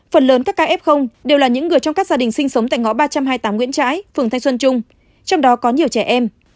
phần lớn các ca f đều là những người trong các gia đình sinh sống tại ngõ ba trăm hai mươi tám nguyễn trãi phường thanh xuân trung trong đó có nhiều trẻ em